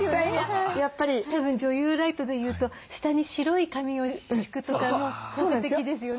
たぶん女優ライトでいうと下に白い紙を敷くとか効果的ですよね。